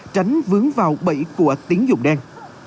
tránh vướng vào bẫy của tín dụng đen